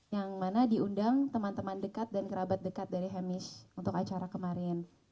yang mana diundang teman teman dekat dan kerabat dekat dari hemish untuk acara kemarin